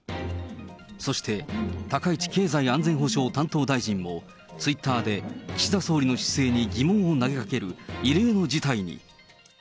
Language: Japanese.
そして、高市経済安全保障担当大臣も、ツイッターで、岸田総理の姿勢に疑問を投げかける異例の事態に。